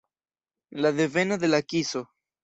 La deveno de la kiso.